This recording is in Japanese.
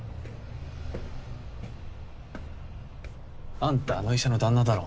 あんたあの医者の旦那だろ？